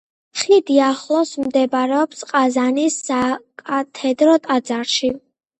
ხიდის ახლოს მდებარეობს ყაზანის საკათედრო ტაძარი.